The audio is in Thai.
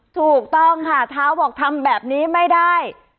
ถูกต้องค่ะเท้าบอกทำแบบนี้ไม่ได้